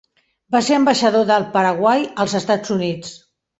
Va ser ambaixador del Paraguai als Estats Units.